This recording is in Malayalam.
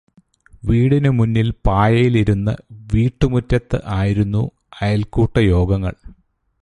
വീടിനുമുന്നിൽ പായയിൽ ഇരുന്ന് വീട്ടുമുറ്റത്ത് ആയിരുന്നു അയൽക്കൂട്ട യോഗങ്ങൾ.